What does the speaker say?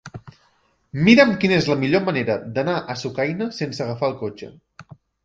Mira'm quina és la millor manera d'anar a Sucaina sense agafar el cotxe.